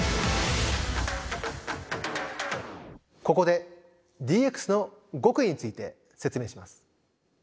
ここでＤＸの極意について説明します。